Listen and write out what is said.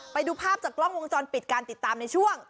ไปดูภาพจากกล้องวงจรปิดการติดตามในช่วง